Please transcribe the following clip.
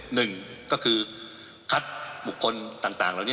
หนึ่งก็คือคัดบุคคลต่างเหล่านี้